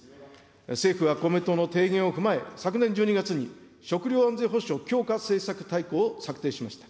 政府は、公明党の提言を踏まえ、昨年１２月に食料安全保障強化政策大綱を策定しました。